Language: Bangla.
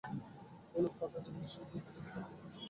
হলুদ পাতা যেমন নিঃশব্দে পানিতে পড়ে, তেমনভাবে ডুব দিয়ে গোসল করে।